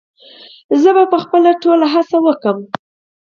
زه به خپله ټوله هڅه وکړم